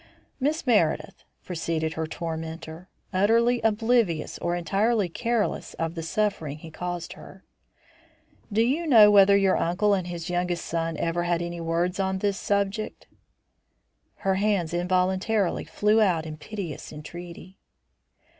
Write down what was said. "Miss Meredith," proceeded her tormentor, utterly oblivious or entirely careless of the suffering he caused her, "do you know whether your uncle and his youngest son ever had any words on this subject?" Her hands involuntarily flew out in piteous entreaty.